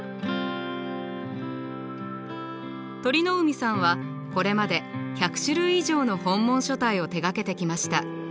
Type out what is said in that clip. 鳥海さんはこれまで１００種類以上の本文書体を手がけてきました。